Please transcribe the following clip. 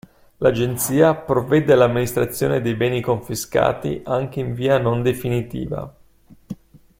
L'Agenzia provvede all'amministrazione dei beni confiscati anche in via non definitiva.